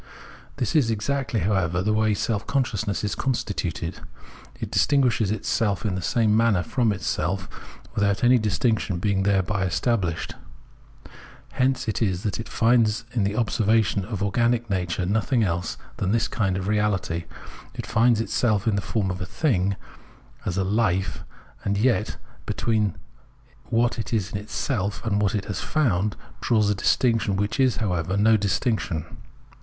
This is exactly, however, the way self consciousness is constituted. It distinguishes itself in the same manner from itself, without any distinction being there by estabhshed. Hence it is that it finds in observa tion of organic nature nothing else than this kind of reahty ; it finds itself in the form of a thing, as a life, and yet, between what it is itself and what it has found, draws a distinction which is, however, no dis tinction.